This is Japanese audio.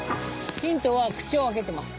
ヒントは口を開けてます。